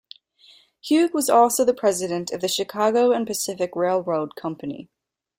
Hough was also the president of the Chicago and Pacific Railroad Company.